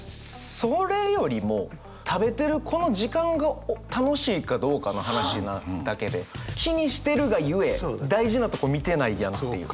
それよりも食べてるこの時間が楽しいかどうかの話なだけで気にしてるがゆえ大事なとこ見てないやんっていう。